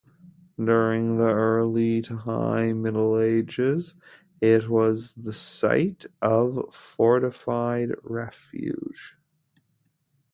During the Early to High Middle Ages it was the site of fortified refuge.